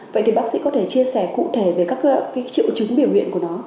vậy thì bác sĩ có thể chia sẻ cụ thể về các triệu chứng biểu hiện của nó